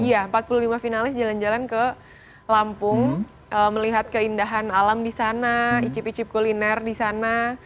iya empat puluh lima finalis jalan jalan ke lampung melihat keindahan alam di sana icip icip kuliner di sana